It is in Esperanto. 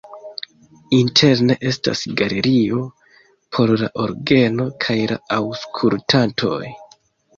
Interne estas galerio por la orgeno kaj la aŭskultantoj.